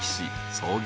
創業